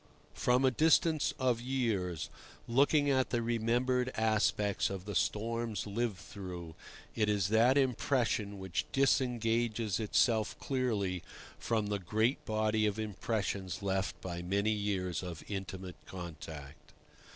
From a distance of years, looking at the remembered aspects of the storms lived through, it is that impression which disengages itself clearly from the great body of impressions left by many years of intimate contact.